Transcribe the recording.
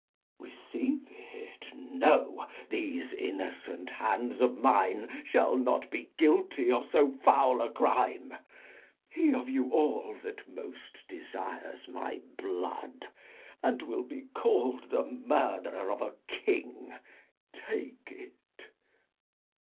Receive it? no, these innocent hands of mine Shall not be guilty of so foul a crime; He of you all that most desires my blood, And will be call'd the murderer of a king, Take it.